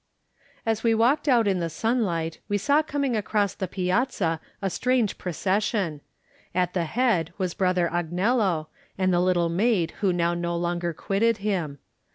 As we walked out in the sunlight we saw coming across the piazza a strange proces sion. At the head was Brother Agnello and the little maid who now no longer quitted him.